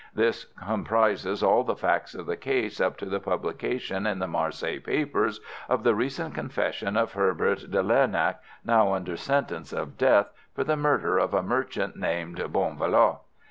This comprises all the facts of the case up to the publication in the Marseilles papers of the recent confession of Herbert de Lernac, now under sentence of death for the murder of a merchant named Bonvalot.